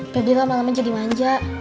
peblilah malamnya jadi manja